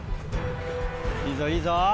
いいぞいいぞ。